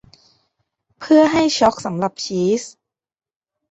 เพื่อให้ชอล์กสำหรับชีส